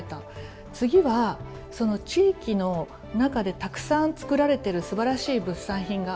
次は地域の中でたくさん作られてるすばらしい物産品がある。